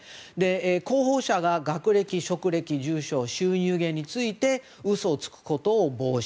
候補者が学歴・職歴・住所収入源について嘘をつくことを防止。